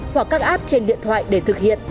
hoặc các app trên điện thoại để thực hiện